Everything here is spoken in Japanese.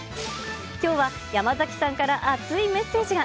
きょうは山崎さんから熱いメッセージが。